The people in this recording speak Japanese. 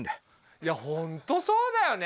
いやホントそうだよね